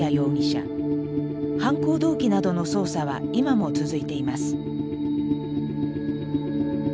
犯行動機などの捜査は今も続いています。